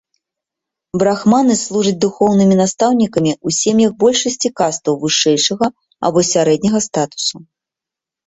Брахманы служаць духоўнымі настаўнікамі ў сем'ях большасці кастаў вышэйшага або сярэдняга статусу.